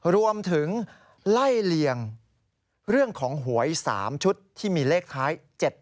รวมถึงไล่เลี่ยงเรื่องของหวย๓ชุดที่มีเลขท้าย๗๗